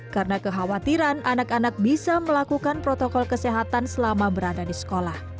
karena kekhawatiran anak anak bisa melakukan protokol kesehatan selama berada di sekolah